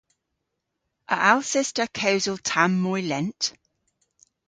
A allses ta kewsel tamm moy lent?